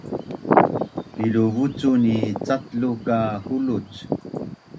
Piluvucun ni catlu ka huluc